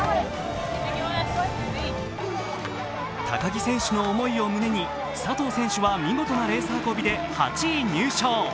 高木選手の思いを胸に佐藤選手は見事なレース運びで８位入賞。